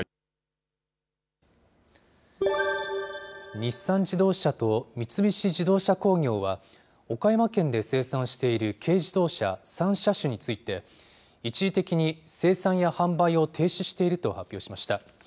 日産自動車と三菱自動車工業は、岡山県で生産している軽自動車３車種について、一時的に生産や販売を停止していると発表しました。